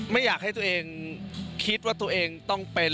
ไม่อยากให้ตัวเองคิดว่าตัวเองต้องเป็น